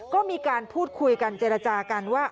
ก็มีการพูดคุยกันเจรจากันว่า